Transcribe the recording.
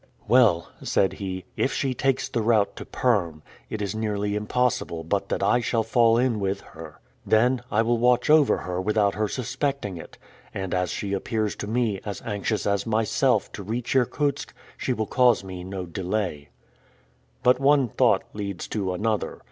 "Well," said he, "if she takes the route to Perm, it is nearly impossible but that I shall fall in with her. Then, I will watch over her without her suspecting it; and as she appears to me as anxious as myself to reach Irkutsk, she will cause me no delay." But one thought leads to another.